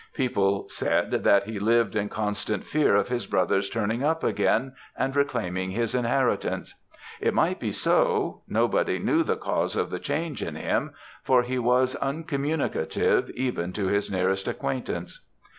People said, that he lived in constant fear of his brother's turning up again and reclaiming his inheritance. It might be so; nobody knew the cause of the change in him, for he was uncommunicative, even to his nearest acquaintance.